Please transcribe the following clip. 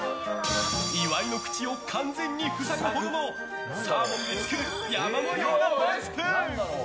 岩井の口を完全に塞ぐほどのサーモンで作る山のようなワンスプーン！